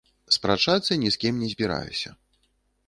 Спрачацца ні з кім не збіраюся.